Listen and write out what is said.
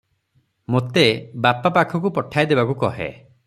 ମୋତେ ବାପା ପାଖକୁ ପଠାଇ ଦେବାକୁ କହେ ।